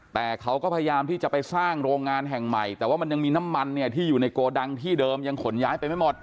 แต่เขาก็พยายามที่จะไปสร้างโรงงานแห่งใหม่แต่ว่ามันยังมีน้ำมันเนี่ยที่อยู่ในโกดังที่เดิมยังขนย้ายไปไม่หมด